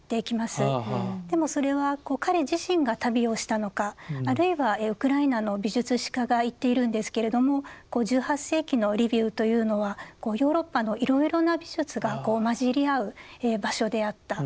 でもそれは彼自身が旅をしたのかあるいはウクライナの美術史家が言っているんですけれども１８世紀のリビウというのはヨーロッパのいろいろな美術が混じり合う場所であった。